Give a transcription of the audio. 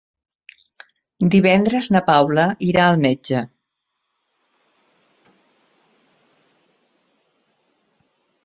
Divendres na Paula irà al metge.